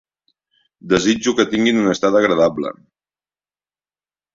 Desitjo que tinguin una estada agradable.